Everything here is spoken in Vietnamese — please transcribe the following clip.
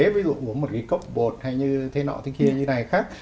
ví dụ uống một cái cốc bột hay như thế nọ thế kia như thế này khác